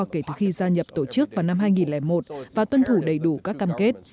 kể từ khi gia nhập tổ chức vào năm hai nghìn một và tuân thủ đầy đủ các cam kết